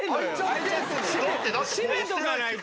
閉めとかないと。